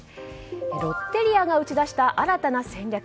ロッテリアが打ち出した新たな戦略。